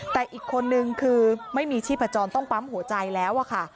แต่อีกคนนึงคือไม่มีชีพจรต้องปั๊มหัวใจแล้วอะค่ะ